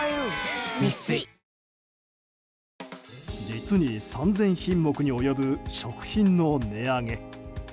実に３０００品目に及ぶ食品の値上げ。